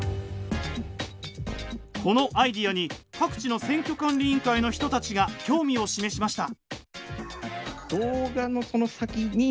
このアイデアに各地の選挙管理委員会の人たちが興味を示しました！